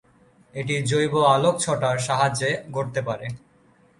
এটি জৈব-আলোকছটার সাহায্যে ঘটতে পারে।